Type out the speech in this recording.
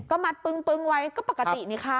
ก็มัดปึ้งไว้ก็ปกตินี่ค่ะ